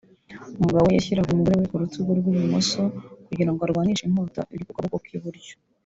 umugabo yashyiraga umugore we ku rutugu rw’ibumoso kugira ngo arwanishe inkota iri mu kaboko k’iburyo